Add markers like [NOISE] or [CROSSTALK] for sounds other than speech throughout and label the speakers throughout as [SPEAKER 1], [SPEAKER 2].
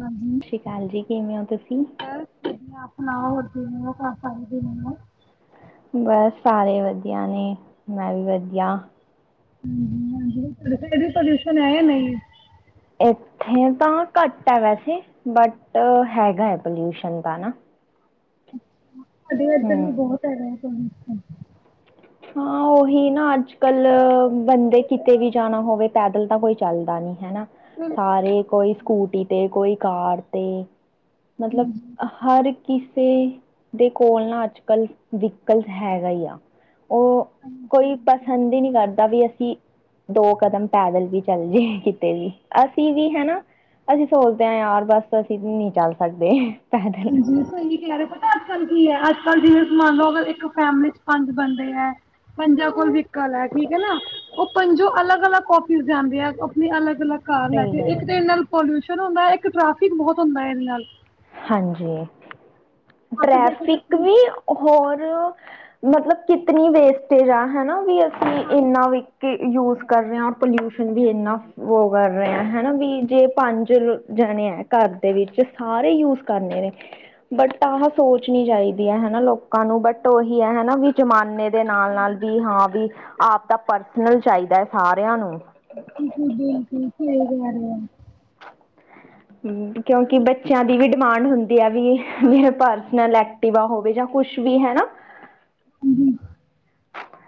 [SPEAKER 1] ਹਾਂਜੀ
[SPEAKER 2] ਸਤਿ ਸ਼੍ਰੀ ਅਕਾਲ ਜੀ ਕਿਵੇਂ ਹੋ ਤੁਸੀਂ?
[SPEAKER 1] ਬਸ ਵਧੀਆ ਆਪਣਾ ਹੋਰ ਸੁਣਾਓ? ਸ [INAUDIBLE]
[SPEAKER 2] ਬਸ ਸਾਰੇ ਵਧੀਆ ਨੇ ਮੈਂ ਵੀ ਵਧੀਆ।
[SPEAKER 1] ਹਮ ਹਾਂ ਵੀ ਪ੍ਰਦਊਸ਼ਣ ਹੈ ਨਹੀਂ?
[SPEAKER 2] ਇੱਥੇ ਤਾਂ ਘੱਟ ਹੈ ਵੈਸੇ ਬਟ ਹੈਗਾ ਹੈ ਪੋਲਿਊਸ਼ਨ ਤਾਂ ਨਾ।
[SPEAKER 1] ਸਾਡੇ ਇਧਰ
[SPEAKER 2] ਹਮ
[SPEAKER 1] ਵੀ ਬਹੁਤ ਹੈਗਾ ਪ੍ਰਦੂਸ਼ਣ।
[SPEAKER 2] ਹਾਂ ਉਹੀ ਨਾ ਅੱਜ ਕੱਲ ਬੰਦੇ ਕਿਤੇ ਵੀ ਜਾਣਾ ਹੋਵੇ ਪੈਦਲ ਤਾਂ ਕੋਈ ਚੱਲਦਾ ਨਹੀਂ। ਹਾਂ ਜੀ ਹੈ ਨਾ ਸਾਰੇ ਕੋਈ ਸਕੂਟੀ ਤੇ ਕੋਈ ਕਾਰ ਤੇ। ਮਤਲਬ ਹਰ ਇੱਕ ਕਿਸੇ ਦੇ ਕੋਲ ਨਾ ਅੱਜ ਕੱਲ ਵਹੀਕਲ ਹੈਗਾ ਹੀ ਆ। ਉਹ ਕੋਈ ਪਸੰਦ ਹੀ ਨਹੀਂ ਕਰਦਾ ਵੀ ਅਸੀਂ। ਦੋ ਕਦਮ ਪੈਦਲ ਵੀ ਚੱਲ ਜੇ ਕਿਤੇ ਵੀ, ਅਸੀਂ ਵੀ ਹੈ ਨਾ। ਅਸੀਂ ਸੋਚਦੇ ਹਾਂ, ਯਾਰ ਬਸ ਅਸੀਂ ਨਹੀਂ ਚੱਲ ਸਕਦੇ। ਪੈਦਲ
[SPEAKER 1] ਹਾਂਜੀ ਉਹੀ ਕ਼ਿਹ ਰਹੇ। ਅੱਜ ਕੱਲ ਕੀ ਹੈ, ਅੱਜ ਕੱਲ ਜਿਵੇਂ ਮੰਨ ਲਓ ਅਗਰ ਇੱਕ ਫੈਮਿਲੀ ਚ ਪੰਜ ਬੰਦੇ ਹੈ। ਪੰਜਾਂ ਕੋਲ ਵਹੀਕਲ ਹੈ। ਠੀਕ ਹੈ ਨਾ, ਉਹ ਪੰਜੋ ਅਲੱਗ ਅਲੱਗ ਆਫਿਸ ਜਾਂਦੇ ਹੈ, ਆਪਣੇ ਅਲੱਗ ਅਲੱਗ। ਕਾਰ ਲੈ
[SPEAKER 2] ਸਹੀ
[SPEAKER 1] ਕੇ ਇੱਕ
[SPEAKER 2] ਗੱਲ ਹੈ
[SPEAKER 1] ਤੇ ਇਹਦੇ ਨਾਲ ਪੋਲਿਊਸ਼ਨ ਹੁੰਦਾ ਇੱਕ ਟ੍ਰੈਫਿਕ ਬਹੁਤ ਹੁੰਦਾ ਇਹਦੇ ਨਾਲ।
[SPEAKER 2] ਹਾਂਜੀ,
[SPEAKER 1] ਆਟੋ ਦੇਖੋ
[SPEAKER 2] ਟ੍ਰੈਫਿਕ
[SPEAKER 1] ਕਿੰਨੀ
[SPEAKER 2] ਵੀ ਹੋਰ। ਮਤਲਬ ਕਿਤਨੀ ਵੇਸਟੇਜ ਆ ਹੈ ਨਾ ਵੀ ਅਸੀਂ ਇੰਨਾ
[SPEAKER 1] ਹਾਂਜੀ
[SPEAKER 2] ਵੀ ਕਿ ਯੂਜ। ਕਰ ਰਹੇ ਆ ਪੋਲਿਊਸ਼ਨ ਵੀ ਇੰਨਾ ਵੀ ਕਰ ਰਿਹਾ ਹੈ ਨਾ ਵੀਰ
[SPEAKER 1] ਹਾਂਜੀ
[SPEAKER 2] ਜੀ ਪੰਜ। ਜਾਣੇ ਹੈ ਘਰ ਦੇ ਵਿੱਚ ਸਾਰੇ ਯੂਜ ਕਰਨੇ ਨੇ। ਬਟ ਆਹ ਸੋਚਣੀ ਚਾਹੀਦੀ ਹੈ, ਹੈ ਨਾ ਲੋਕਾਂ ਨੂੰ ਬਟ ਉਹੀ ਹੈ ਹੈ ਨਾ ਵੀ ਜ਼ਮਾਨੇ। ਦੇ ਨਾਲ-ਨਾਲ ਵੀ ਹਾਂ ਵੀ ਆਪ ਦਾ ਪਰਸਨਲ ਚਾਹੀਦਾ ਹੈ ਸਾਰਿਆਂ ਨੂੰ।
[SPEAKER 1] ਬਿਲਕੁਲ ਬਿਲਕੁਲ ਸਹੀ ਗੱਲ ਹੈ।
[SPEAKER 2] ਕਿਉਂਕਿ ਬੱਚਿਆਂ ਦੀ ਵੀ ਡਿਮਾਂਡ ਹੁੰਦੀ ਆ ਵੀ
[SPEAKER 1] ਹਾਂਜੀ
[SPEAKER 2] ਮੇਰੇ ਪਰਸਨਲ ਐ। ਸੇਵਾ ਹੋਵੇ ਜਾਂ ਕੁਛ ਵੀ ਹੈ ਨਾ।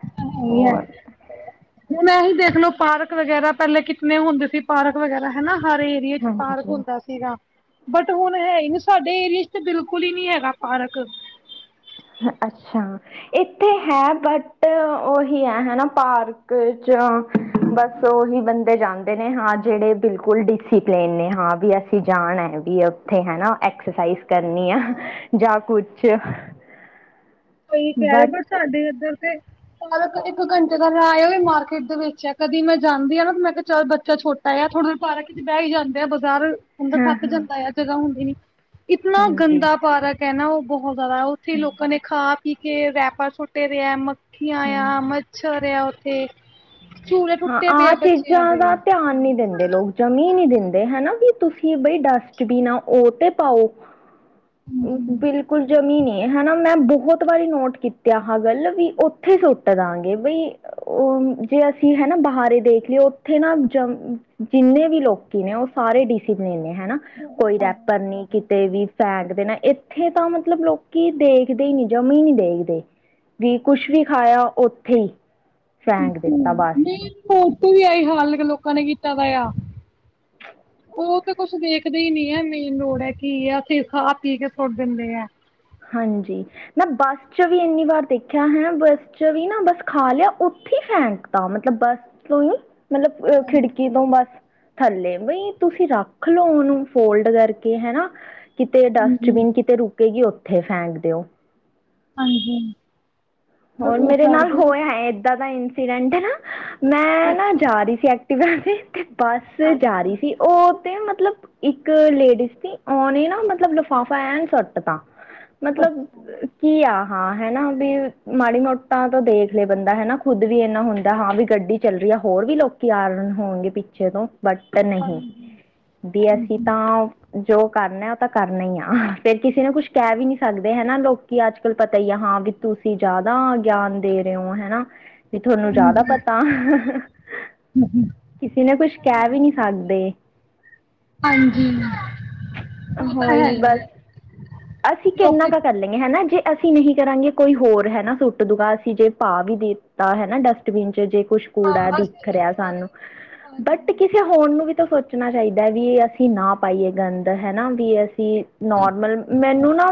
[SPEAKER 1] ਇਹ ਤਾਂ ਹੈ ਹੀ
[SPEAKER 2] ਹੋਰ
[SPEAKER 1] ਹੈ ਹੁਣ ਐਹੀ ਦੇਖਲੋ ਪਾਰਕ ਵਗੈਰਾ ਪਹਿਲੇ ਕਿਤਨੇ ਹੁੰਦੇ ਸੀ, ਪਾਰਕ ਵਗੈਰਾ ਹੈ ਨਾ। ਹਰ ਏਰੀਏ ਵਿੱਚ ਪਾਰਕ
[SPEAKER 2] ਹਾਂਜੀ
[SPEAKER 1] ਹੁੰਦਾ ਸੀਗਾ। ਬਟ ਹੁਣ ਹੈ ਹੀ ਨਹੀਂ ਸਾਡੇ ਏਰੀਏ ਚ ਤਾਂ ਬਿਲਕੁਲ ਹੀ ਨਹੀਂ ਹੈਗਾ ਪਾਰਕ।
[SPEAKER 2] ਅੱਛਾ, ਇੱਥੇ ਹੈ, ਬਟ ਉਹੀ ਹੈ, ਹਨਾ ਪਾਰਕ ਚ ਬਸ ਉਹੀ ਬੰਦੇ ਜਾਂਦੇ ਨੇ ਹਾਂ ਜਿਹੜੇ ਬਿਲਕੁਲ। ਫੁੱਲ ਡਿਸਿਪਲਨ ਨੇ ਹਾਂ ਵੀ ਅਸੀਂ ਜਾਣਾ ਹੈ ਵੀ ਉੱਥੇ ਹਨਾ ਐਕਸਰਸਾਈਜ਼। ਕਰਨੀ ਆ ਜਾਂ ਕੁਛ
[SPEAKER 1] ਸਹੀ ਕਹਿ ਰਹੇ
[SPEAKER 2] ਬਟ
[SPEAKER 1] ਪਰ ਸਾਡੇ ਇੱਧਰ ਤੇ ਪਾਰਕ। ਇੱਕ ਘੰਟੇ ਦਾ ਰਾਹ ਏ ਉਹ ਵੀ ਮਾਰਕੀਟ ਦੇ ਵਿੱਚ, ਕਦੀ ਮੈਂ ਜਾਂਦੀ ਆ ਨਾ, ਤੇ ਮੈਂ ਕਿਹਾ ਕਿ ਚੱਲ ਬੱਚਾ ਛੋਟਾ ਆ ਥੋੜਾ ਪਾਰਕ। ਬਹਿ ਹੀ ਜਾਂਦੇ ਆ, ਬਜ਼ਾਰ ਬੰਦਾ
[SPEAKER 2] ਹਾਂ
[SPEAKER 1] ਥੱਕ
[SPEAKER 2] ਹਾਂ
[SPEAKER 1] ਜਾਂਦਾ ਆ ਜਗ੍ਹਾ ਹੁੰਦੀ ਨਹੀਂ। ਇਤਨਾ
[SPEAKER 2] ਹਾਂਜੀ
[SPEAKER 1] ਗੰਦਾ ਪਾਰਕ ਹੈ ਨਾ ਉਹ ਬਹੁਤ ਜ਼ਿਆਦਾ, ਉੱਥੇ ਹੀ ਲੋਕਾਂ ਨੇ। ਕਿਤੇ ਰੈਪਰ ਸੁੱਟੇ ਦੇ ਆ, ਮੱਖੀਆਂ ਆ,
[SPEAKER 2] ਹਮ
[SPEAKER 1] ਮੱਛਰ ਆ ਉੱਥੇ। ਝੂਲੇ
[SPEAKER 2] ਹਾਂ
[SPEAKER 1] ਟੁੱਟੇ ਪਏ ਆ
[SPEAKER 2] ਆਹ
[SPEAKER 1] ਬੱਚਿਆਂ
[SPEAKER 2] ਚੀਜ਼ਾਂ
[SPEAKER 1] ਦੇ।
[SPEAKER 2] ਦਾ ਧਿਆਨ ਨਹੀਂ ਦਿੰਦੇ ਲੋਕ, ਜਮੀ ਨਹੀਂ ਦਿੰਦੇ ਹੈ ਨਾ। ਤੁਸੀਂ ਬਈ ਡਸਟਬੀਨ ਆ ਉਹ ਤੇ ਪਾਓ। ਬਿਲਕੁਲ। ਜਮੀ ਨਹੀਂ ਹਨਾ, ਮੈਂ ਬਹੁਤ ਵਾਰੀ ਨੋਟ ਕੀਤਾ ਆਹਾ ਗੱਲ ਵੀ ਉੱਥੇ ਸੁੱਟ ਦਾਂਗੇ ਬਈ। ਉਹ ਜੇ ਅਸੀਂ ਹਨਾ ਬਹਾਰ ਦੇਖ ਲਈਏ ਉੱਥੇ ਨਾ ਜ ਜਿੰਨੇ ਵੀ ਲੋਕੀ ਨੇ। ਸਾਰੇ ਡੀਸੀ ਨੇ ਹਨਾ, ਕੋਈ ਰੈਪਰ ਨਹੀ ਕਿਤੇ ਵੀ ਫੈਨ। ਨਾ ਇੱਥੇ ਤਾਂ ਮਤਲਬ ਲੋਕੀ ਦੇਖਦੇ ਹੀ ਨਹੀ ਜਮਾ ਹੀ ਨਹੀ ਦੇਖਦੇ। ਵੀ ਕੁਛ ਵੀ ਖਾਇਆ ਉੱਥੇ ਹੀ ਫੈਂਕ ਦਿੱਤਾ ਬਸ
[SPEAKER 1] ਨਹੀਂ ਓਥੇ ਵੀ ਆਈ ਹਾਲ ਲੋਕਾਂ ਨੇ ਕੀਤਾ ਵ ਆ।
[SPEAKER 2] [UNINTELLIGIBLE]
[SPEAKER 1] ਉਹ ਤਾਂ ਕੁਛ ਦੇਖਦੇ ਹੀ ਨਹੀ ਹੈ ਮੇਨ ਰੋਡ ਹੈ, ਕੀ ਆ ਓਥੇ ਹੀ ਖਾਹ ਪੀ ਕੇ ਸੁੱਟ ਦਿੰਦੇ ਆ।
[SPEAKER 2] ਹਾਂਜੀ। ਮੈਂ ਬੱਸ ਚ ਵੀ ਇੰਨੀ ਵਾਰ ਦੇਖਿਆ ਹੈ, ਬੱਸ ਚ ਵੀ ਨਾ ਬੱਸ ਖਾ ਲਿਆ ਉੱਥੇ ਸ਼ੈਂਕ ਤਾਂ ਮਤਲਬ ਬੱਸ ਤੋਂ ਹੀ ਮਤਲਬ ਖਿੜਕੀ ਤੋਂ ਬਸ ਥੱਲੇ ਬਈ ਤੁਸੀਂ ਰੱਖ ਲੋਓ ਉਹਨੂੰ ਫੋਲਡ ਕਰਕੇ ਹਨਾ। ਕਿਤੇ
[SPEAKER 1] ਹਾਂਜੀ
[SPEAKER 2] ਡਸਟਬਿਨ ਕਿਤੇ ਰੁਕੇਗੀ ਉੱਥੇ ਫੈਂਕ ਦਿਓ।
[SPEAKER 1] ਹਾਂਜੀ।
[SPEAKER 2] ਹੋਰ
[SPEAKER 1] ਉਹ
[SPEAKER 2] ਮੇਰੇ ਨਾਲ
[SPEAKER 1] ਕਰਦੇ ਹੀ ਨੇ
[SPEAKER 2] ਹੋਇਆ ਇਦਾਂ ਦਾ ਇੰਸੀਡੈਂਟ ਨਾ, ਮੈਂ ਨਾ
[SPEAKER 1] ਅੱਛਾ
[SPEAKER 2] ਜਾ ਰਹੀ ਸੀ ਤੇ ਬੱਸ ਜਾ ਰਹੀ
[SPEAKER 1] ਅੱਛਾ
[SPEAKER 2] ਸੀ ਉਹ ਤੇ ਮਤਲਬ ਇੱਕ ਲੇਡੀਜ਼ ਸੀ ਉਹਨੇ ਨਾ ਮਤਲਬ ਲਿਫਾਫਾ ਐਨ ਸੁੱਟ ਦਾ।
[SPEAKER 1] ਅੱਛਾ
[SPEAKER 2] ਮਤਲਬ ਕੀ ਆ ਹਾਂ ਹਨਾ ਵੀ ਮਾੜੀ ਮੋਟਾਂ ਤੋਂ ਦੇਖ ਲਏ ਬੰਦਾ ਹਨਾ ਖੁਦ ਵੀ ਇੰਨਾ ਹੁੰਦਾ ਹਾਂ, ਵੀ ਗੱਡੀ ਚੱਲ ਰਹੀ ਹੈ, ਹੋਰ ਵੀ ਲੋਕੀ ਆ ਰਹੇ ਹੋਣਗੇ, ਪਿੱਛੇ ਤੋਂ ਬਟ ਨਹੀਂ,
[SPEAKER 1] ਹਾਂਜੀ
[SPEAKER 2] ਵੀ ਅਸੀਂ ਤਾਂ ਜੋ ਕਰਨਾ ਉਹ ਤਾਂ ਕਰਨਾ ਹੀ ਆ‌, ਫੇਰ ਕਿਸੇ ਨੂੰ ਕੁੱਛ ਕਹਿ ਵੀ ਨੀ ਸਕਦੇ ਹਨਾ ਲੋਕ ਅੱਜ ਕੱਲ ਪਤਾ ਹੀ ਆ ਹਾਂ ਵੀ ਤੁਸੀਂ ਜ਼ਿਆਦਾ ਗਿਆਨ ਦੇ ਰਹੇ ਹੋ ਹਨਾ। ਵੀ ਤੁਹਾਨੂੰ
[SPEAKER 1] ਹਾਂਜੀ
[SPEAKER 2] ਜ਼ਿਆਦਾ ਪਤਾ
[SPEAKER 1] ਹਾਂਜੀ
[SPEAKER 2] ਕਿਸੇ ਨੇ ਕੁਛ ਕਹਿ ਵੀ ਨਹੀਂ ਸਕਦੇ।
[SPEAKER 1] ਹਾਂਜੀ। ਉਹ ਤਾਂ ਹੈ
[SPEAKER 2] ਹੋਹੀ ਬਸ ਅਸੀਂ ਕਿੰਨਾ
[SPEAKER 1] ਲੋਕੀ
[SPEAKER 2] ਕੁ ਕਰ ਲੈਂਗੇ ਹਨਾ ਜੇ ਅਸੀਂ ਨਹੀਂ ਕਰਾਂਗੇ ਕੋਈ ਹੋਰ ਹੈ, ਨਾ ਸੁੱਟ ਦੂਗਾ ਅਸੀਂ ਜੇ ਭਾਅ ਵੀ ਦੇਤਾ ਹੈ ਨਾ ਡਸਟਬਿਨ ਚ ਜੇ ਕੁਛ ਕੂੜਾ ਦਿਖ ਰਿਹਾ ਸਾਨੂੰ ਬਟ ਕਿਸੇ ਹੋਰ ਨੂੰ ਵੀ ਤਾਂ ਸੋਚਣਾ ਚਾਹੀਦਾ। ਦਾ ਵੀ ਇਹ ਅਸੀਂ ਨਾ ਪਾਈਏ ਗੰਦ ਹਨਾ ਵੀ ਅਸੀਂ ਨੋਰਮਲ਼ ਮੈਨੂੰ ਨਾ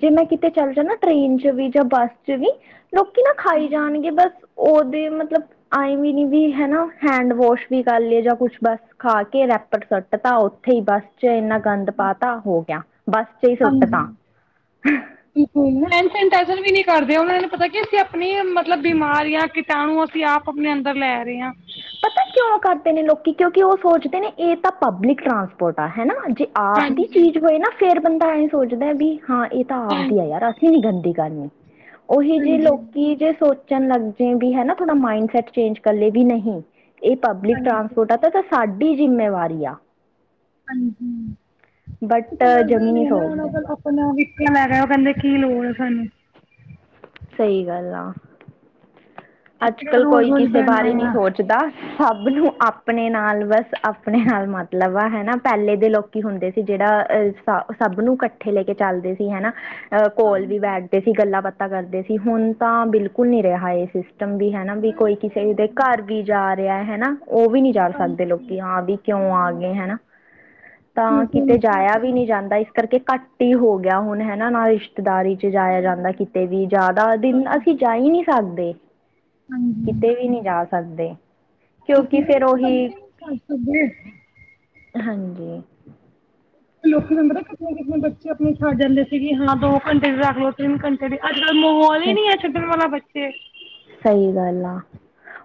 [SPEAKER 2] ਜੇ ਮੈਂ ਕਿਤੇ ਚੱਲ ਜਾਣਾ ਟ੍ਰੇਨ ਚ ਵੀ ਜਾਂ ਬੱਸ ਚ ਵੀ ਲੋਕੀ ਨਾ ਖਾਈ ਜਾਣਗੇ ਬਸ ਉਹਦੇ ਮਤਲਬ ਆਏਂ ਵੀ ਨੀ ਵੀ ਹੈ ਨਾ ਹੈਂਡਵੋਸ਼ ਵੀ ਕਰ ਲਏ ਜਾਂ ਕੁਛ ਬਸ ਖਾ ਕੇ ਰਖ ਪੇਪਰ ਸੁੱਟ ਤਾ ਉੱਥੇ ਹੀ ਬੱਸ ਚ ਇੰਨਾ ਗੰਦ ਪਾ ਤਾ ਹੋ ਗਿਆ। ਬੱਸ 'ਚ ਹੀ ਸੁੱਟ
[SPEAKER 1] ਹਾਂਜੀ
[SPEAKER 2] ਤਾ
[SPEAKER 1] ਬਿਲਕੁਲ ਹੈਂਡ ਸੈਨਟਾਈਜ਼ਰ ਵੀ ਨਹੀਂ ਕਰਦੇ। ਇਹੂੰ ਪਤਾ ਕੀ ਅਸੀਂ ਆਪਣੀ ਮਤਲਬ ਬਿਮਾਰੀਆਂ ਕੀਟਾਣੂ ਅਸੀਂ ਆਪਣੇ ਅੰਦਰ ਲੈ ਰਹੇ ਹਾਂ।
[SPEAKER 2] ਪਤਾ ਕਿਉਂ ਕਰਦੇ ਨੇ ਲੋਕੀ ਕਿਉਂਕਿ ਉਹ ਸੋਚਦੇ ਨੇ ਇਹ ਤਾਂ ਪਬਲਿਕ ਟਰਾਂਸਪੋਰਟ ਆ ਹਨਾ। ਜੇ ਆਪ ਦੀ
[SPEAKER 1] ਹਾਂਜੀ
[SPEAKER 2] ਚੀਜ਼ ਹੋਏ ਨਾ, ਫੇਰ ਬੰਦਾ ਐਂ ਸੋਚਦਾ ਵੀ ਹਾਂ ਇਹ ਤਾਂ ਆਪਦੀ
[SPEAKER 1] ਹਾਂਜੀ
[SPEAKER 2] ਹੈ, ਅਸੀ ਨੀ ਗੰਦੀ ਕਰਨੀ। ਉਹੀ ਜੇ
[SPEAKER 1] ਹਾਂਜੀ
[SPEAKER 2] ਲੋਕੀ ਜੇ ਸੋਚਣ ਲੱਗ ਜੁ ਗੀ ਹਨਾ ਥੋੜਾ ਮਾਇੰਡ ਐਕਸਚੇਂਜ ਕਰ ਲੇਗੀ ਵੀ ਨਹੀਂ ਇਹ ਪਬਲਿਕ
[SPEAKER 1] ਹਾਂਜੀ
[SPEAKER 2] ਟਰਾਂਸਪੋਰਟ ਆ ਤਾਂ ਸਾਡੀ ਜਿੰਮੇਵਾਰੀ ਆ
[SPEAKER 1] ਹਾਂਜੀ
[SPEAKER 2] ਬਟ
[SPEAKER 1] ਸਮਝਦੇ
[SPEAKER 2] ਜਮੀ ਨਹੀਂ
[SPEAKER 1] ਨੀ ਨਾ ਉਹਣ
[SPEAKER 2] ਸੋਚਦੇ
[SPEAKER 1] ਕੋਲ ਆਪਣਾ [UNINTELLIGIBLE] ਹੈਗਾ ਓਹ ਕਹਿੰਦੇ ਕੀ ਲੋੜ ਹੈ ਸਾਨੂੰ
[SPEAKER 2] ਸਹੀ ਗੱਲ ਆ ਅੱਜ
[SPEAKER 1] ਅਸੀਂ ਕਿਹੜਾ
[SPEAKER 2] ਕਲ
[SPEAKER 1] ਰੋਜ਼
[SPEAKER 2] ਕੋਈ
[SPEAKER 1] ਰੋਜ਼
[SPEAKER 2] ਕਿਸੇ
[SPEAKER 1] ਬਹਿਣਾ
[SPEAKER 2] ਬਾਰੇ ਨੀ
[SPEAKER 1] ਆ
[SPEAKER 2] ਸੋਚਦਾ। ਸਭ ਨੂੰ ਆਪਣੇ ਨਾਲ ਬਸ ਆਪਣੇ ਨਾਲ ਮਤਲਬ ਆ ਹਨਾ ਪਹਿਲੇ ਦੇ ਲੋਕੀ ਹੁੰਦੇ ਸੀ ਜ ਜਿਹੜਾ ਅ ਸਭ ਨੂੰ ਇਕੱਠੇ ਲੈ ਕੇ ਚੱਲਦੇ ਸੀ ਹਨਾ। ਕੋਲ ਵੀ ਬੈਠਦੇ ਸੀ ਗੱਲਾਂ ਬਾਤਾਂ ਕਰਦੇ ਸੀ, ਹੁਣ ਤਾਂ ਬਿਲਕੁਲ ਨੀ ਰਿਹਾ ਇਹ ਸੀ ਸਟਮ ਵੀ ਹਨਾ ਵੀ ਕੋਈ ਕਿਸੇ ਦੇ ਘਰ ਵੀ ਜਾ ਰਿਹਾ ਹਨਾ। ਉਹ ਵੀ ਨਹੀਂ ਜਾ ਸਕਦੇ ਲੋਕੀ ਹਾਂ ਵੀ ਕਿਉਂ ਆ ਗਏ ਹਨਾ। ਤਾਂ ਕਿਤੇ
[SPEAKER 1] ਬਿਲਕੁਲ
[SPEAKER 2] ਜਾਇਆ ਵੀ ਨਹੀ ਜਾਂਦਾ ਇਸ ਕਰਕੇ ਘੱਟ ਹੀ ਹੋ ਗਿਆ ਹੁਣ ਹਨਾ ਨਾ ਰਿਸ਼ਤੇਦਾਰੀ ਚ ਜਾਇਆ ਜਾਂਦਾ ਕਿਤੇ ਵੀ ਜ਼ਿਆਦਾ ਦਿਨ ਅਸੀਂ ਜਾਈ ਨਹੀ ਸਕਦੇ ਕਿਤੇ ਵੀ ਨਹੀਂ ਜਾ ਸਕਦੇ। ਕਿਉਂਕਿ ਫੇਰ ਉਹੀ
[SPEAKER 1] ਬੱਚੇ ਨਹੀਂ ਛੱਡ ਸਕਦੇ
[SPEAKER 2] ਹਾਂਜੀ।
[SPEAKER 1] ਲੋਕ ਤਾਂਨੂੰ ਪਤਾ ਨਿਕੇ ਨਿਕੇ ਬੱਚੇ ਆਪਣੇ ਛੱਡ ਜਾਂਦੇ ਸੀ, ਕਿ ਹਾਂ ਦੋ ਘੰਟੇ ਦੀ ਰੱਖ ਲਓ ਤਿੰਨ ਘੰਟੇ ਦੀ ਮਾਹੌਲ ਹੀ
[SPEAKER 2] ਸ
[SPEAKER 1] ਨੀ ਹੈ। ਛੱਡਣ ਵਾਲਾ ਬੱਚੇਆ
[SPEAKER 2] ਸਹੀ ਗੱਲ ਆ,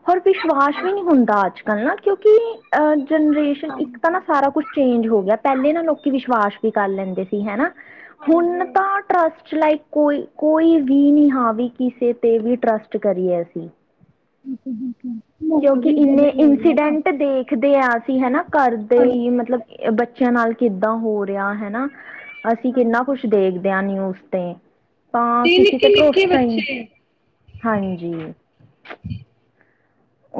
[SPEAKER 2] ਹੋਰ ਵਿਸ਼ਵਾਸ ਵੀ ਨਹੀਂ ਹੁੰਦਾ, ਅੱਜ ਕੱਲ ਨਾ ਕਿਉਂਕਿ ਅਹ ਜਨਰੇਸ਼ਨ ਇੱਕ ਤਾਂ ਨਾ ਸਾਰਾ ਕੁਛ ਚੇਂਜ ਹੋ ਗਿਆ, ਪਹਿਲੇ ਨਾ ਲੋਕੀ ਵਿਸ਼ਵਾਸ ਵੀ ਕਰ ਲੈਂਦੇ ਸੀ ਹੈਨਾ। ਹੁਣ ਤਾਂ ਟਰੱਸਟ ਲਾਈਕ ਕੋਈ ਕੋਈ ਵੀ ਨੀ। ਹਾਂ ਵੀ ਕਿਸੇ ਤੇ ਵੀ ਟਰਸਟ ਕਰੀਏ ਅਸੀਂ
[SPEAKER 1] ਹੂ
[SPEAKER 2] ਕਿਉਂਕਿ ਇੰਨੇ ਇੰਸੀਡੈਂਟ ਦੇਖਦੇ ਹਾਂ ਅਸੀਂ ਹੈਨਾ। ਘਰ ਦੇ
[SPEAKER 1] ਹਾਂਜੀ
[SPEAKER 2] ਹੀ ਮਤਲਬ ਬੱਚਿਆਂ ਨਾਲ ਕਿੱਦਾਂ ਹੋ ਰਿਹਾ ਹੈਨਾ। ਅਸੀਂ ਕਿੰਨਾ ਕੁਛ ਦੇਖਦੇ ਹਾਂ ਨਿਊਜ਼ ਤੇ ਤਾਂ
[SPEAKER 1] ਜੀ
[SPEAKER 2] ਕਿਸੀ ਤੇ
[SPEAKER 1] ਨਿੱਕੀ ਨਿੱਕੀ
[SPEAKER 2] ਭਰੋਸਾ ਹੀ ਨਹੀਂ ਹਾਂਜੀ।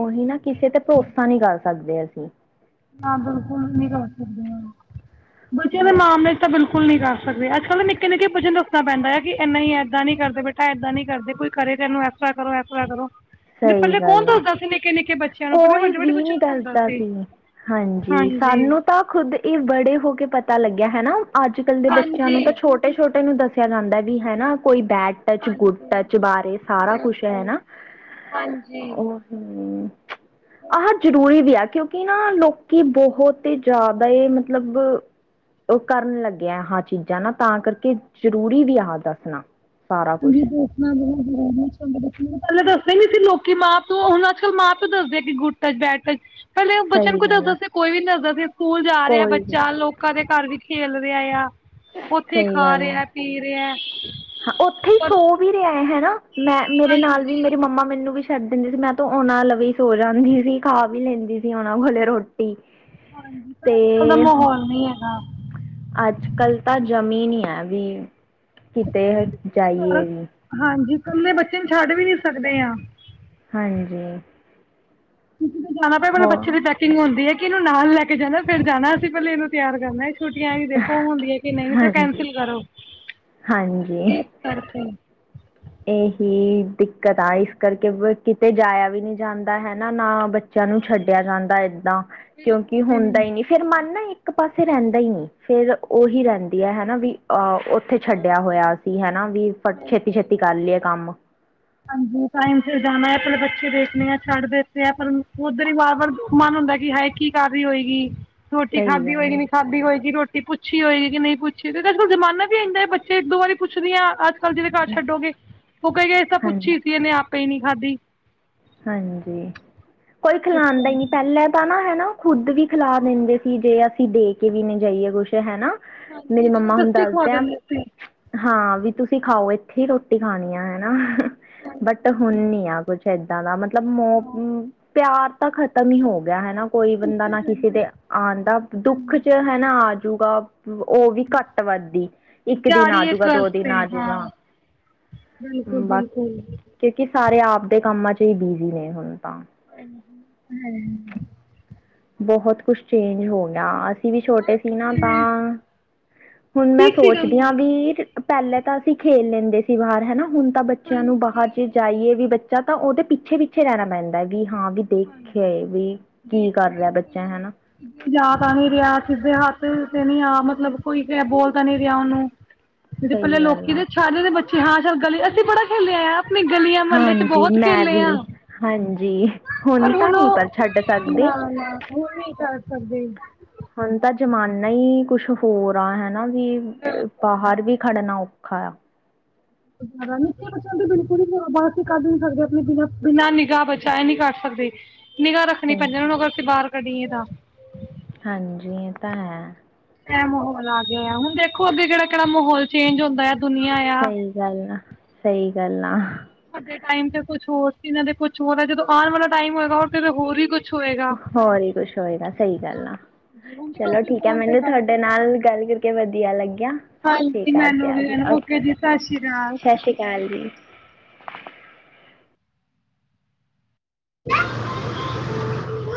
[SPEAKER 2] ਉਹੀ ਨਾ ਕਿਸੇ ਤੇ ਭਰੋਸਾ ਨਹੀਂ ਕਰ ਸਕਦੇ ਅਸੀਂ
[SPEAKER 1] ਹਾਂ ਬਿਲਕੁਲ ਨੀ ਕਰ ਸਕਦੇ ਹ ਬੱਚਿਆਂ ਦੇ
[SPEAKER 2] ਹੋ
[SPEAKER 1] ਮਾਮਲੇ ਚ ਤਾਂ ਬਿਲਕੁਲ ਨੀ ਕਰ ਸਕਦੇ ਅੱਜ -ਕੱਲ ਤਾਂ ਨਿੱਕੇ, ਨਿੱਕੇ ਬੱਚੇ ਨੂੰ ਦੱਸਣਾ ਪੈਂਦਾ ਆ। ਕਿ ਇਨਾ ਇਦਾਂ ਨੀ ਕਰਦੇ? ਬੇਟਾ ਇੱਦਾਂ ਨੀ ਕਰਦੇ ਕੋ ਕਰੇ ਤੇ ਇਹਨ ਪੈਆਕ ਕਰੋ, ਐਸਤਰਾ ਕਰੋ ਜੀ ਤੇ
[SPEAKER 2] ਸਹੀ
[SPEAKER 1] ਪਹਿਲੇ ਕੌਣ
[SPEAKER 2] ਗੱਲ ਆ
[SPEAKER 1] ਦੱਸਦਾ ਸੀ ਨਿੱਕੇ, ਨਿੱਕੇ ਬੱਚਿਆਂ ਨੂੰ ਪਹਿਲੇ
[SPEAKER 2] ਕੋਈ
[SPEAKER 1] ਵੱਡੇ, ਵੱਡੇ
[SPEAKER 2] ਵੀ ਨਹੀਂ
[SPEAKER 1] ਬੱਚਿਆਂ ਨੂੰ ਹੁੰਦਾ
[SPEAKER 2] ਦੱਸਦਾ
[SPEAKER 1] ਸੀ।
[SPEAKER 2] ਹਾਂਜੀ ਸਾਨੂੰ ਤਾਂ ਖੁਦ ਇਹ ਬੜੇ ਹੋ ਕੇ ਪਤਾ ਲੱਗਿਆ ਹੈ ਨਾ। ਅੱਜ ਕੱਲ੍ਹ ਦੇ ਬੱਚਿਆਂ ਨੂੰ ਤਾਂ
[SPEAKER 1] ਹਾਂਜੀ
[SPEAKER 2] ਛੋਟੇ ਛੋਟੇ ਨੂੰ ਦੱਸਿਆ ਜਾਂਦਾ ਵੀ ਹੈਨਾ ਕੋਈ ਬੈਡ ਟੱਚ ਗੁੱਡ ਟੱਚ ਬਾਰੇ ਸਾਰਾ ਕੁਛ ਹੈ ਨਾ
[SPEAKER 1] ਹਾਂਜੀ
[SPEAKER 2] ਹਮ ਚ ਆਹ ਜ਼ਰੂਰੀ ਵੀ ਆ ਕਿਉਂਕਿ ਨਾ ਲੋਕੀ ਬਹੁਤ ਹੀ ਜ਼ਿਆਦਾ ਹੀ ਮਤਲਬ ਉਹ ਕਰਨ ਲੱਗਿਆ ਆ। ਚੀਜ਼ਾਂ ਨਾ! ਤਾਂ ਕਰਕੇ ਜ਼ਰੂਰੀ ਵੀ, ਆ ਕਰਨਾ।
[SPEAKER 1] ਹਾਂਜੀ ਦ ਬਤ [INAUDIBLE] ਨਹੀਂ ਨਹੀਂ ਸੀ ਲੋਕੀ ਮਾਂ ਪਿਓ! ਹੁਣ ਅੱਜ ਕੱਲ੍ਹ ਮਾਂ ਪਿਓ ਦੱਸਦੇ ਆ ਕਿ ਗੁੱ ਟੱਚ ਬੈਠ ਟਚ ਪਹਿਲੇ ਬੱਚਿਆਂ ਨੂੰ
[SPEAKER 2] ਸਹੀ
[SPEAKER 1] ਕੁਝ
[SPEAKER 2] ਗੱਲ
[SPEAKER 1] ਦੱਸਦਾ
[SPEAKER 2] ਆ
[SPEAKER 1] ਸੀ। ਕੋਈ ਵੀ ਨੀ ਦੱਸਦਾ ਸੀ। ਸਕੂਲ ਜਾ ਰਿਹਾ
[SPEAKER 2] ਕੋਈ ਵੀ
[SPEAKER 1] ਬੱਚਾ ਲੋਕਾਂ ਦੇ ਘਰ ਵੀ ਖੇਲ ਰਿਹਾ ਆ, ਉੱਥੇ
[SPEAKER 2] ਸਹੀ
[SPEAKER 1] ਖਾ
[SPEAKER 2] ਗੱਲ ਆ
[SPEAKER 1] ਰਿਹਾ, ਪੀ ਰਿਹਾ
[SPEAKER 2] ਹਾਂ ਉੱਥੇ ਹੀ
[SPEAKER 1] ਪਰ
[SPEAKER 2] ਸੋ ਵੀ ਰਿਹਾ ਏ ਹੈਨਾ! ਮੈਂ, ਮੇਰੇ ਨਾਲ ਵੀ, ਮੇਰੇ ਮੰਮਾ ਮੈਨੂੰ ਵੀ ਛੱਡ ਦਿੰਦੀ ਸੀ। ਮੈਂ ਤ ਉਹਨਾਂ ਲਵੇ ਸੋ ਜਾਂਦੀ ਸੀ, ਖਾ ਵੀ ਲੈਂਦੀ ਸੀ ਉਹਨਾਂ ਕੋਲੇ ਰੋਟੀ।
[SPEAKER 1] ਹਾਂਜੀ!
[SPEAKER 2] ਤੇ
[SPEAKER 1] ਇਥੋਂ ਦਾ ਮਾਹੌਲ ਨੀ ਹੈਗਾ।
[SPEAKER 2] ਅੱਜ ਕੱਲ ਤਾਂ ਜਮੀਨ ਹੈ ਵੀ। ਕਿਤੇ ਜਾਈਏ?
[SPEAKER 1] ਕਲੇ ਬੱਚੇ ਨੂੰ ਛੱਡ ਵੀ ਨੀ ਸਕਦੇ ਆ।
[SPEAKER 2] ਹਾਂਜੀ!
[SPEAKER 1] ਕਿਤੇ ਜਾਣਾ ਪਏ ਪਹਿਲਾਂ
[SPEAKER 2] ਹੋ
[SPEAKER 1] ਬੱਚੇ ਦੀ ਪੈਕਿੰਗ ਹੁੰਦੀ ਹੈ। ਕਿ ਇਹਨੂੰ ਨਾਲ ਲੈ ਕੇ ਜਾਣਾ। ਫ਼ਿਰ ਜਾਣਾ ਅਸੀਂ ਪਹਿਲੇ ਇਹਨੂੰ ਤਿਆਰ ਕਰਨਾ। ਛੁੱਟੀਆਂ ਵੀ ਦੇਖੋ ਹੁੰਦੀਆਂ ਕਿ ਨਹੀਂ ਤੇ
[SPEAKER 2] ਹਾਂਜੀ
[SPEAKER 1] ਕੈਂਸਲ ਕਰੋ।
[SPEAKER 2] ਹਾਂਜੀ
[SPEAKER 1] ਇਸ ਕਰਕੇ।
[SPEAKER 2] ਇਹੀ ਦਿੱਕਤ ਆ ਇਸ ਕਰਕੇ ਕਿਤੇ ਜਾਇਆ ਵੀ ਨਹੀਂ ਜਾਂਦਾ ਹੈਾ ਨਾ ਬ ਬੱਚਿਆਂ ਨੂੰ ਛੱਡਿਆ ਜਾਂਦਾ ਏਦਾਂ ਕਿਉਂਕਿ ਹੁੰਦਾ
[SPEAKER 1] ਨਹੀਂ
[SPEAKER 2] ਹੀ ਨੀ ਫੇਰ ਮੰਨ ਨਾ ਈ ਇੱਕ ਪਾਸੇ ਰਹਿੰਦਾ ਹੀ ਨਹੀਂ ਫੇਰ ਉਹੀ ਰਹਿੰਦੀ ਹੈ ਹੈਨਾ ਵੀ ਅਹ ਉੱਥੇ ਛੱਡਿਆ ਹੋਇਆ ਸੀ ਹੈਨਾ ਵੀ ਫਿਰ ਛੇਤੀ ਛੇਤੀ ਕਰ ਲਈਏ ਕੰਮ
[SPEAKER 1] ਹਾਂਜੀ ਟਾਈਮ ਸਿਰ ਜਾਣਾ ਆਪਣੇ। ਬੱਚੇ ਦੇਖਣੇ ਆ, ਛੱਡ ਦਿੱਤੇ ਆ। ਪਰ ਉੱਧਰ ਹੀ ਵਾਰ ਵਾਰ ਮਨ ਹੁੰਦਾ ਕਿ ਹਾ ਕੀ ਕਾਰਹੀ ਹੋਏਗੀ? ਰੋਟੀ
[SPEAKER 2] ਸਹੀ
[SPEAKER 1] ਖਾਧੀ
[SPEAKER 2] ਗੱਲ
[SPEAKER 1] ਹੋਏਗੀ? ਨਹੀਂੀ ਖਾਧੀ ਹੋਏਗੀ? ਰੋਟੀ ਪੁੱਛੀ ਹੋਏਗੀ? ਕਿ ਨਹੀਂ ਪੁੱਛੀ ਹੋਏਗੀ? ਫਿਰ ਅੱਜ ਕੱਲ ਜ਼ਮਾਨਾ ਵੀ ਬੱਚੇ ਇੱਕ ਦੋ ਵਾਰੀ ਪੁੱਛਦੀ ਹਾਂ। ਅੱਜ ਕੱਲ ਜਿਹਦੇ ਘਰ
[SPEAKER 2] ਆ
[SPEAKER 1] ਛੱਡੋਗੇ ਉਹ ਕਹਏਗਾ ਇਹ ਤਾਂ
[SPEAKER 2] ਹਾਂਜੀ
[SPEAKER 1] ਪੁੱਛੀ ਸੀ ਇਹਨੇ ਆਪ ਕਈ ਨੀ ਖਾਧੀ।
[SPEAKER 2] ਹਾਂਜੀ! ਕੋਈ
[SPEAKER 1] ਇਸ
[SPEAKER 2] ਖਿਲਾਂਦਾ ਹੀ ਨਹੀਂ।
[SPEAKER 1] ਕਰਕੇ
[SPEAKER 2] ਪਹਿਲਾਂ ਤਾਂ ਨਾ ਹੈਨਾ ਉਹ ਖੁੱਦ ਵੀ ਖਿਲਾ ਦਿੰਦੇ ਸੀ ਗੇ। ਅਸੀਂ ਦੇ ਕੇ ਵੀ ਨਹੀਂ ਜਾਈਏ ਕੁੱਛ ਹੈਨਾ! ਮੇਰੀ
[SPEAKER 1] ਹਾਂਜੀ
[SPEAKER 2] ਮੰਮਾ ਹੁਣ
[SPEAKER 1] ਜ਼ਬਰਦਸਤੀ ਖਵਾ
[SPEAKER 2] ਦੱਸਦੇਿਆਂ
[SPEAKER 1] ਦਿੰਦੇ ਸੀ
[SPEAKER 2] ਹਾਂ! ਵੀ ਤੁਸੀਂ ਖਾਓ ਇੱਥੇ ਹੀ ਰੋਟੀ ਖਾਣੀ ਆ ਹੈਨਾ ਬਟ ਹੁਣ ਨੀਆ ਕੁੱਛ ਦ ਦਾ ਮਤਲਬ ਮ ਪਿਆਰ ਤਾਂ ਖਤਮ ਹੀ ਹੋ ਹਨਾ, ਕੋਈ ਬੰਦਾ ਨਾ ਕਿਸੇ ਤੇ ਆਦਾ ਦੁੱਖ ਚ ਹਨਾ ਆਜੂਗਾ ਉਹ ਵੀ ਘੱਟ ਵੱਧ ਹੀ ਇੱਕ ਦਿਨ
[SPEAKER 1] ਦਿਹਾੜੀ ਇੱਕ
[SPEAKER 2] ਆਜੂਗਾ ਦੋ ਦਿਨ
[SPEAKER 1] ਵਾਸਤੇ ਹਾਂ
[SPEAKER 2] ਆਜੂਗਾ,
[SPEAKER 1] ਬਿਲਕੁਲ
[SPEAKER 2] ਬਸ
[SPEAKER 1] ਬਿਲਕੁਲ
[SPEAKER 2] ਕਿਉਂਕਿ ਸਾਰੇ ਆਪਦੇ ਕੰਮਾਂ ਚ ਹੀ ਬਿਜੀ ਨੇ ਹੁਣ ਤਾਂ।
[SPEAKER 1] ਹੂੰ,
[SPEAKER 2] ਬਹੁਤ ਕੁਛ ਚੇਂਜ ਹੋ ਗਿਆ ਅਸੀਂ ਵੀ ਛੋਟੇ ਸੀ ਨਾ ਤਾਂ ਹੁਣ ਮੈਂ
[SPEAKER 1] ਠੀਕ ਸੀਗਾ
[SPEAKER 2] ਸੋਚਦੀ ਹਾਂ
[SPEAKER 1] ਮਾਹੌਲ
[SPEAKER 2] ਵੀ ਪਹਿਲੇ ਤਾਂ ਅਸੀਂ ਖੇਲ ਲੈਂਦੇ ਸੀ ਬਾਹਰ ਹਨਾ ਹੁਣ ਤਾਂ ਬੱਚਿਆਂ ਨੂੰ ਬਾਹਰ ਜੇ ਜਾਈਏ ਵੀ ਬੱਚਾ ਤਾਂ ਉਹਦੇ ਪਿੱਛੇ ਪਿੱਛੇ ਰਹਿਣਾ ਪੈਂਦਾ ਵੀ ਹਾਂ ਵੀ ਦੇਖਿਆ ਵੀ ਕੀ
[SPEAKER 1] ਦੇਖ
[SPEAKER 2] ਕਰ ਰਿਹਾ ਬੱਚਾ
[SPEAKER 1] ਬਿਲਕੁਲ
[SPEAKER 2] ਹਨਾ
[SPEAKER 1] ਜਾ ਤਾਂ ਨੀ ਰਿ ਸਿੱਧੇ ਹੱਥ ਤੇ ਨੀ ਆ ਮਤਲਬ ਕੋਈ ਬੋਲਤਾਂ ਨੀ ਰਿਹਾ ਉਹਨੂੰ। ਜਿਹੜੇ
[SPEAKER 2] ਸਹੀ
[SPEAKER 1] ਪਹਿਲੇ
[SPEAKER 2] ਗੱਲ
[SPEAKER 1] ਲੋਕੀ
[SPEAKER 2] ਆ
[SPEAKER 1] ਦੇ ਛਾਰੇ ਦੇ ਬੱਚੇ ਹਾਂ ਸਛ ਗਲੀ ਅਸੀਂ ਬੜਾ ਖੇਲੇ ਆ। ਮ ਗਲੀਆਂ ਮਹੱਲੇ ਚ
[SPEAKER 2] ਹਾਂਜੀ
[SPEAKER 1] ਬਹੁਤ
[SPEAKER 2] ਮੈਂ
[SPEAKER 1] ਖੇਲੇ
[SPEAKER 2] ਵੀ
[SPEAKER 1] ਆ।
[SPEAKER 2] ਹਾਂਜੀ
[SPEAKER 1] ਪਰ
[SPEAKER 2] ਤਾਂ
[SPEAKER 1] ਹੁਣ
[SPEAKER 2] ਨਹੀਂ
[SPEAKER 1] ਉਹ
[SPEAKER 2] ਪਰ ਛੱਡ
[SPEAKER 1] ਹੁਣ
[SPEAKER 2] ਸਕਦੇ
[SPEAKER 1] ਨਹੀਂ ਕਰ ਸਕਦੇ।
[SPEAKER 2] ਹੁਣ ਤਾਂ ਜ਼ਮਾਨਾ ਹੀ ਕੁਛ ਹੋਰ ਆ ਹਨਾ ਵੀ ਬਾਹਰ ਵੀ ਖੜਨਾ ਖਾ
[SPEAKER 1] ਨਿੱਬਾ ਦੇ ਬਿਲਕੁਲ ਅਸੀਂ ਕੱਢ ਨੀ ਸਕਦੇ ਆਪਣੇ ਵੀ ਬਿਨਾਂ ਨਿਗਾਹ ਬਚਾਇਆ ਨੀ ਨਹੀਂ ਕੱਢ ਸਕਦੇ। ਨਿਗਾਹ ਰੱਖਣੀ
[SPEAKER 2] ਸਹੀ
[SPEAKER 1] ਪੈਂਦੀ ਉਹ ਨੂੰ
[SPEAKER 2] ਗੱਲ
[SPEAKER 1] ਅਗਰ
[SPEAKER 2] ਆ।
[SPEAKER 1] ਅਸੀਂ ਬਾਹਰ ਕੱਢੀਏ ਤਾਂ
[SPEAKER 2] ਹਾਂਜੀ ਇਹ ਤਾਂ ਹੈ
[SPEAKER 1] ਕ ਮਾਹੌਲ ਆ ਗਿਆ ਹੁਣ ਦੇਖੋ ਅੱਗੇ ਕਿਹੜਾ-ਕਿਹੜਾ ਮਾਹੌਲ ਚੇਜ ਹੁੰਦਾ। ਦੁਨੀਆਂ ਆ
[SPEAKER 2] ਸਹੀ ਗੱਲ ਆ, ਸਹੀ ਗੱਲ ਆ।
[SPEAKER 1] ਸਾਡੇ ਟਾਈਮ ਤੇ ਕੁਛ ਹੋਰ ਸੀ ਇਹਨਾਂ ਦੇ ਕੁਛ ਹੋਰ ਹੈ ਜਦੋਂ ਆਣ ਵਾਲਾ ਟਾਈਮ ਹੋਏ ਗਾ ਤੇ ਹੋਰ ਵੀ ਕੁਛ ਹੋਏਗਾ
[SPEAKER 2] ਹੋਰ ਹੀ ਕੁਛ ਹੋਏਗਾ ਸਹੀ ਗੱਲ ਆ ਚਲੋ ਠੀਕ ਹੈ ਮੈਨੂੰ ਤੁਹਾਡੇ ਨਾਲ ਗੱਲ ਕਰਕੇ ਵਧੀਆ ਲੱਗਿਆ [INAUDIBLE] ਸਤਿ ਸ੍ਰੀ ਅਕਾਲ ਜੀ
[SPEAKER 1] [UNINTELLIGIBLE]